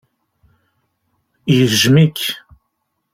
Yejjem-ik.